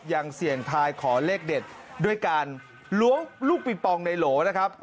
ยังเสี่ยงทายขอเลขเด็ดด้วยการล้วงลูกปิงปองในโหลนะครับ